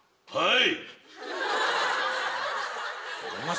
はい。